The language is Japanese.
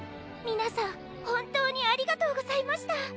みなさんほんとうにありがとうございました。